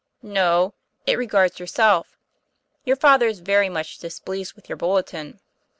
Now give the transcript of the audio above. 'No; it regards yourself. Your father is very much displeased with your bulletin."